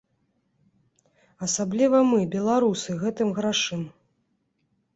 Асабліва мы, беларусы, гэтым грашым.